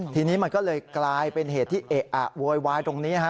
ทีนี้มันก็เลยกลายเป็นเหตุที่เอะอะโวยวายตรงนี้ฮะ